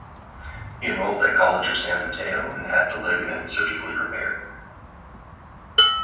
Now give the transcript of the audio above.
He enrolled at College of San Mateo and had the ligament surgically repaired.